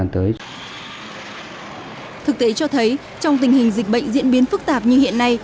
thực tế cho thấy trong tình hình dịch bệnh diễn biến phức tạp như hiện nay